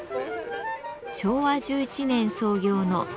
昭和１１年創業の精肉店。